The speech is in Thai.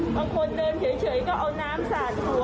บางคนเดินเฉยก็เอาน้ำสาดอยู่